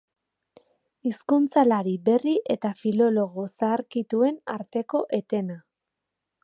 Hizkuntzalari berri eta filologo zaharkituen arteko etena.